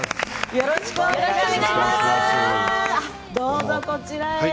よろしくお願いします。